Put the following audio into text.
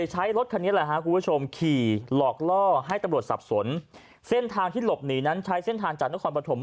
หนึ่งแสนหกหมื่นบาทใช่ครับใช่ครับ